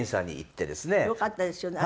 よかったですよね。